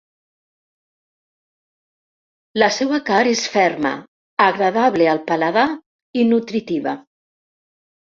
La seua carn és ferma, agradable al paladar i nutritiva.